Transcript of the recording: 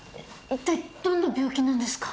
いったいどんな病気なんですか？